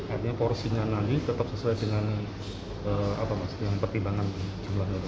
artinya porsinya nanti tetap sesuai dengan pertimbangan jumlahnya